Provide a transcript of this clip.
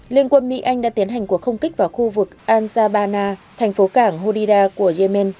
liên quân mỹ anh đã tiến hành cuộc không kích vào khu vực alzabana thành phố cảng hodeida của yemen